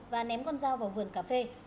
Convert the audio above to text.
và ném con dao vào vườn cà phê